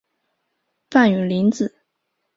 范允临子。